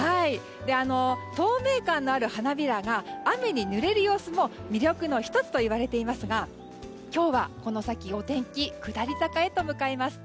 透明感のある花びらが雨にぬれる様子も魅力の１つといわれていますが今日はこの先、お天気下り坂へと向かいます。